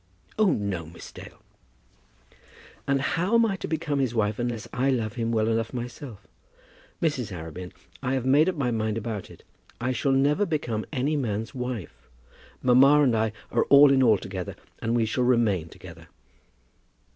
"Oh, no, Miss Dale." "And how am I to become his wife unless I love him well enough myself? Mrs. Arabin, I have made up my mind about it. I shall never become any man's wife. Mamma and I are all in all together, and we shall remain together."